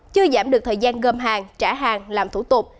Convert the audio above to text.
chưa giảm được thời gian gâm hàng trả hàng làm thủ tục